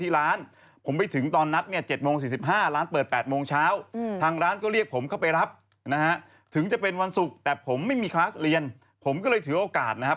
เรียนผมก็เลยถือโอกาสนะครับ